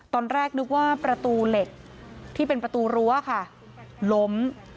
ตอนแรกนึกว่าประตูเหล็กที่เป็นประตูรั้วค่ะล้ม